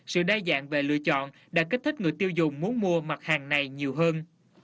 sự đa dạng về lựa chọn đã kích thích người tiêu dùng muốn mua mặt hàng này nhiều hơn